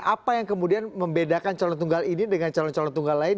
apa yang kemudian membedakan calon tunggal ini dengan calon calon tunggal lain